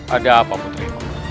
ada apa putriku